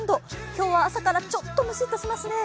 今日は朝からちょっとムシッとしますね。